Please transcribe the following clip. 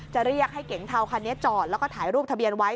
จะเรียกให้เก๋งเทาคันนี้จอดแล้วก็ถ่ายรูปทะเบียนไว้